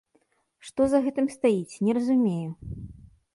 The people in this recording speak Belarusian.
Што за гэтым стаіць, не разумею?